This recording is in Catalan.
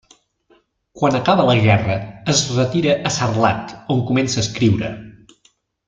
Quan acaba la guerra es retira a Sarlat, on comença a escriure.